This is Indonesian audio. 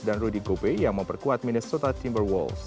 dan rudy gobe yang memperkuat minnesota timberwolves